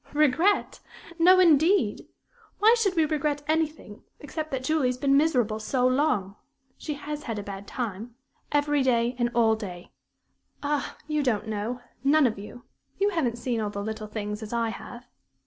"Regret! No, indeed! Why should we regret anything, except that Julie has been miserable so long? She has had a bad time. Every day and all day. Ah, you don't know none of you. You haven't seen all the little things as I have."